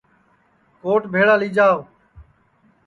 کوٹ بھیݪا لی جاو